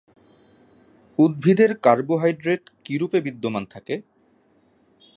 উদ্ভিদের কার্বোহাইড্রেট কীরূপে বিদ্যমান থাকে?